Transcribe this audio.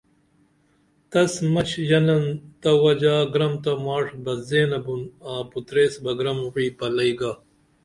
تس مچ ژنن تہ وجا گرم تہ ماڜ بدزینہ بُن آں پُتریس بہ گرم وعی پلئی گا